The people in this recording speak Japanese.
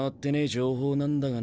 情報なんだがな。